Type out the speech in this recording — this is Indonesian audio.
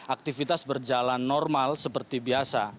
aktivitas berjalan normal seperti biasa